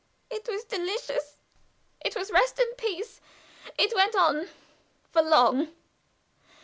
It was delicious; it was rest and peace. It went on for long.